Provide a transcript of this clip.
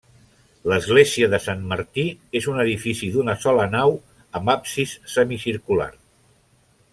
L'església de Sant Martí és un edifici d'una sola nau amb absis semicircular.